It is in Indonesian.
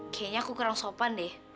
kayaknya aku kurang sopan deh